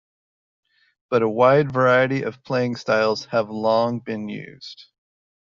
But a wide variety of playing styles have long been used.